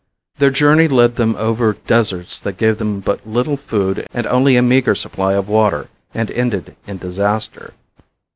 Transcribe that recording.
Their journey led them over deserts that gave them but little food and only a meager supply of water, and ended in disaster.